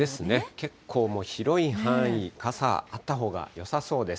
結構広い範囲、傘あったほうがよさそうです。